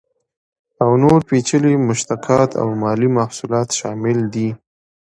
او نور پیچلي مشتقات او مالي محصولات شامل دي.